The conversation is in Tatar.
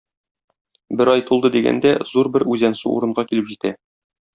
Бер ай тулды дигәндә, зур бер үзәнсу урынга килеп җитә.